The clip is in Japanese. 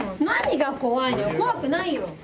何が怖いのよ、怖くないよ。